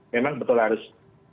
memang betul harus